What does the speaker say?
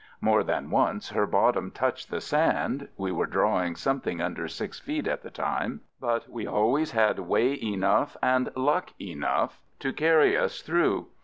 More than once her bottom touched the sand (we were drawing something under six feet at the time), but we had always way enough and luck enough to carry us through.